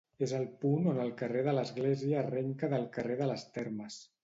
És al punt on el carrer de l'Església arrenca del carrer de les Termes.